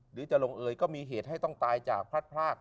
หรือจะลงเอยก็มีเหตุให้ต้องตายจากพลัดพราก